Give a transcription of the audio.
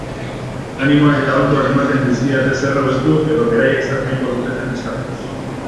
Animoak eta aholkuak ematen dizkidate zer hobetu edo beraiek zer nahiko luketen eskatuz.